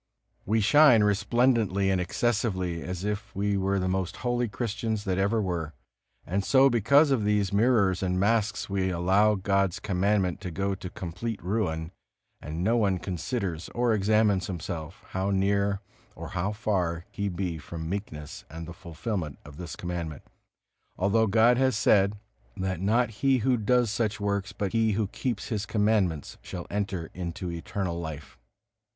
We shine resplendently and excessively, as if we were the most holy Christians there ever were. And so because of these mirrors and masks we allow God's Commandment to go to complete ruin, and no one considers or examines himself, how near or how far he be from meekness and the fulfilment of this Commandment; although God has said, that not he who does such works, but he who keeps His Commandments, shall enter into eternal life.